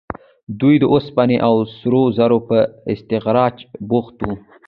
دوی د اوسپنې او سرو زرو په استخراج بوخت وو.